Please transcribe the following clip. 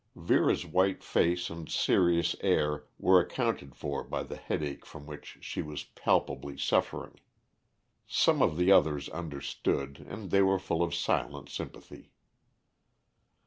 Vera's white face and serious air were accounted for by the headache from which she was palpably suffering. Some of the others understood, and they were full of silent sympathy.